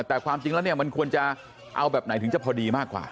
แต่ความจริงแล้วเนี่ยมันควรจะเอาแบบไหนถึงจะพอดีมากกว่า